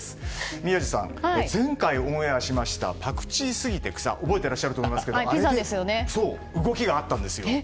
宮司さん、前回オンエアしましたパクチーすぎて草覚えていると思いますが動きがあったんです。